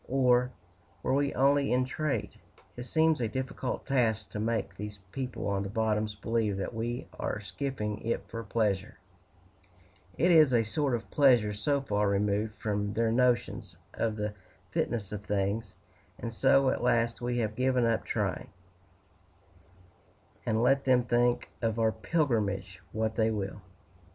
or, were we only in trade?" It seems a difficult task to make these people on the bottoms believe that we are skiffing it for pleasure it is a sort of pleasure so far removed from their notions of the fitness of things; and so at last we have given up trying, and let them think of our pilgrimage what they will.